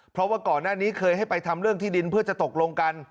เพราะว่าก่อนหน้านี้เคยให้ไปทำเรื่องที่ดินเพื่อจะตกลงกัน